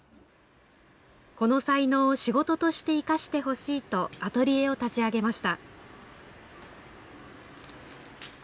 この才能を仕事として生かしてほしいとアトリエを立ち上げました。